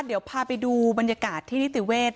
เดี๋ยวพาไปดูบรรยากาศที่นิติเวศ